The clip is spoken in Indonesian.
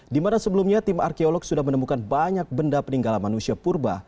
di mana sebelumnya tim arkeolog sudah menemukan banyak benda peninggalan manusia purba